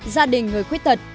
gia đình người khuyết tật